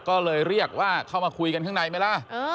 ก็เลยเรียกว่าเข้ามาคุยกันข้างในไหมล่ะ